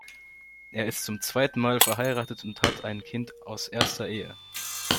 Er ist zum zweitenmal verheiratet und hat ein Kind aus erster Ehe.